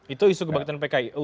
itu isu kebangkitan pki